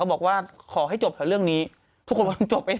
เขาบอกว่าขอให้จบแล้วเรื่องนี้สุโรคมันจบไหน